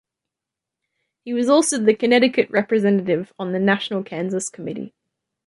He was also the Connecticut representative on the National Kansas Committee.